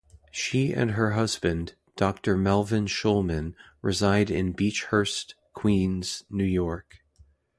She and her husband, Doctor Melvin Shulman, reside in Beechhurst, Queens, New York.